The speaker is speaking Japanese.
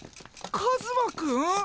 カズマくん？